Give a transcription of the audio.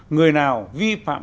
người nào vi phạm